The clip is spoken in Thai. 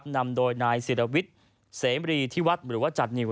นำโดยนายศิรวิทย์เสมรีที่วัดหรือว่าจัดนิว